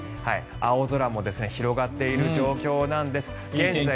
青空も広がっている状況なんです。